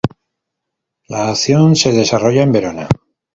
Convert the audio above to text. La acción se desarrolla en Verona.